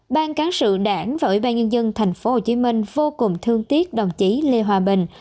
ban cán sự đảng và ủy ban nhân dân tp hcm vô cùng thương tiếc đồng chí lê hòa bình